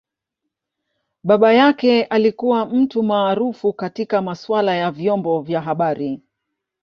Baba yake alikua mtu maarufu katika masaala ya vyombo vya habari.